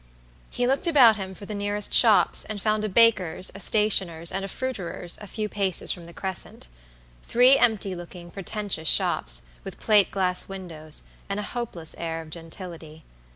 He looked about him for the nearest shops, and found a baker's, a stationer's, and a fruiterer's a few paces from the Crescent. Three empty looking, pretentious shops, with plate glass windows, and a hopeless air of gentility.